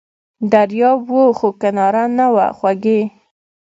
دریاب و خو کناره نه وه خوږې!